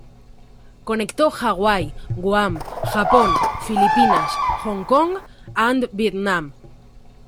Conectó Hawái, Guam, Japón, Filipinas, Hong Kong and Vietnam.